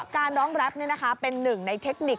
การร้องแรปเป็นหนึ่งในเทคนิค